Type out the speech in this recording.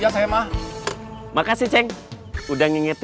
sampai kenapa rp